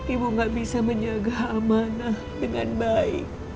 ibu gak bisa menjaga amanah dengan baik